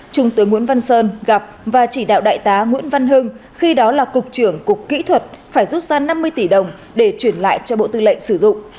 trung tướng nguyễn văn sơn gặp và chỉ đạo đại tá nguyễn văn hưng khi đó là cục trưởng cục kỹ thuật phải rút ra năm mươi tỷ đồng để chuyển lại cho bộ tư lệnh sử dụng